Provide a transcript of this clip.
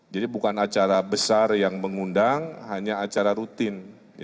jadi bukan acara besar yang mengundang hanya acara rutin